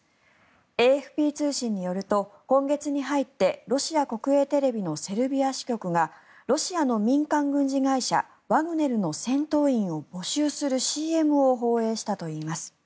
ＡＦＰ通信によると今月に入ってロシア国営テレビのセルビア支局がロシアの民間軍事会社ワグネルの戦闘員を募集するＣＭを放映したといいます。